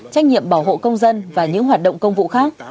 trách nhiệm bảo hộ công dân và những hoạt động công vụ khác